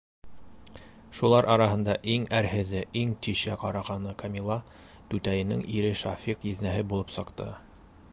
Шулар араһында иң әрһеҙе, иң тишә ҡарағаны Камила түтәйенең ире Шафиҡ еҙнәһе булып сыҡты.